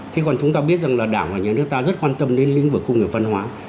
thế còn chúng ta biết rằng là đảng và nhà nước ta rất quan tâm đến lĩnh vực công nghiệp văn hóa